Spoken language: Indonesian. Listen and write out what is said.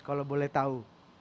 kalau boleh tahu